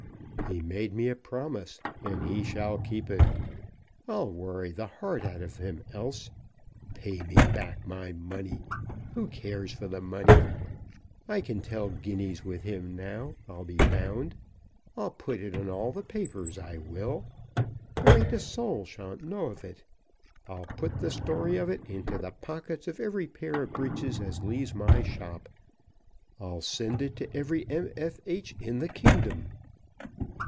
He made me a promise, and he shall keep it. I'll worry the heart out of him else. Pay me back my money! Who cares for the money? I can tell guineas with him now, I'll be bound. I'll put it all in the papers, I will. There ain't a soul shan't know it. I'll put the story of it into the pockets of every pair of breeches as leaves my shop. I'll send it to every M. F. H. in the kingdom."